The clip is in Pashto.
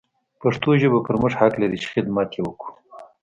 پښتو ژبه پر موږ حق لري چې حدمت يې وکړو.